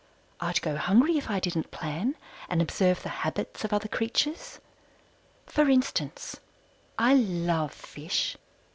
I'd go hungry if I didn't plan and observe the habits of other creatures. For instance: I love Fish.